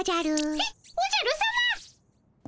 おじゃるさま。